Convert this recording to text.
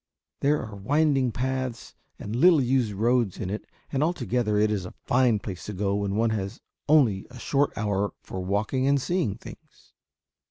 There are winding paths and little used roads in it, and altogether it is a fine place to go when one has only a short hour for walking and seeing things.